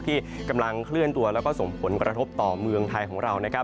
ที่กำลังเคลื่อนตัวแล้วก็ส่งผลกระทบต่อเมืองไทยของเรานะครับ